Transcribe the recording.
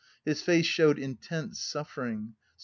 His face showed intense suffering.